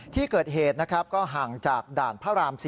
ที่เกิดเหตุนะครับก็ห่างจากด่านพระราม๔